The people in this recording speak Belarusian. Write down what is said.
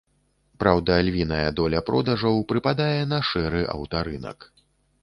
Праўда, львіная доля продажаў прыпадае на шэры аўтарынак.